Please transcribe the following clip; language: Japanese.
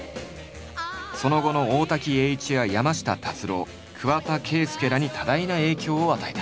その後の大滝詠一や山下達郎桑田佳祐らに多大な影響を与えた。